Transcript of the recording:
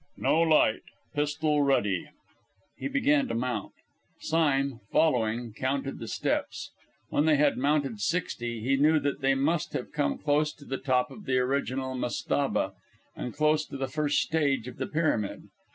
"No light pistol ready!" He began to mount. Sime, following, counted the steps. When they had mounted sixty he knew that they must have come close to the top of the original mastabah, and close to the first stage of the pyramid.